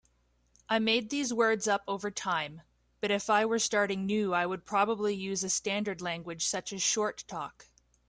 I made these words up over time, but if I were starting new I would probably use a standard language such as Short Talk.